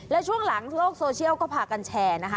และช่วงหลังโลกโซเชียลก็พากันแชร์นะคะ